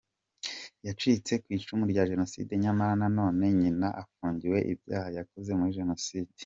Yacitse ku icumu rya Jenoside nyamara nanone nyina afungiwe ibyaha yakoze muri Jenoside.